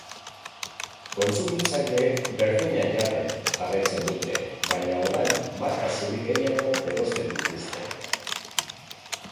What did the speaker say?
Kontsumitzaileek berdina jaten jarraitzen dute, baina orain marka zuri gehiago erosten dituzte.